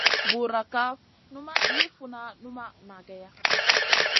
Burkaf numa yi funa numa mageya.